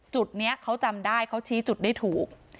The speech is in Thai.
จุดนี้เขาจำได้เขาชี้จุดได้ถูก